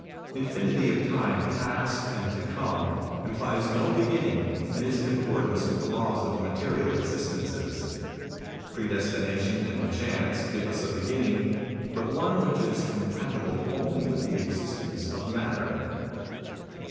Infinity of time past and to come implies no beginning and is in accordance with the laws of material existences. Pre destination and Chance give us a beginning, but one which is compatible only with the existence of matter.